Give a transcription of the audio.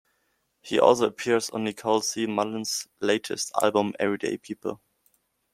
He also appears on Nicole C. Mullens' latest album, "Everyday People".